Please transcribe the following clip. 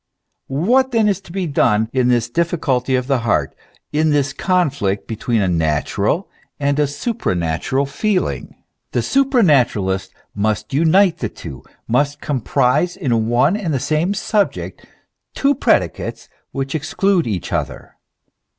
What then is to be done in this difficulty of the heart, in this conflict between a natural and a supranatural feeling ? The supranaturalist must unite the two, must com prise in one and the same subject two predicates which exclude each other.